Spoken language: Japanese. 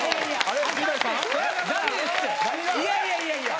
いやいやいや。